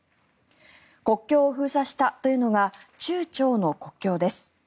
国境を封鎖したというのが中朝の国境です。